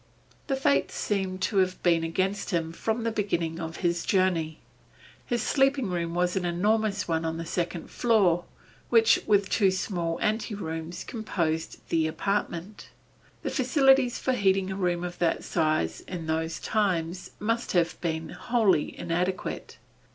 The fates seem to have been against him from the beginning of his journey. His sleeping room was an enormous one on the second floor, which, with two small anterooms, composed the apartment. The facilities for heating a room of that size, in those times must have been wholly inadequate.